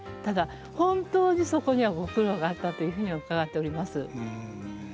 ただ本当にそこにはご苦労があったというふうに伺っております。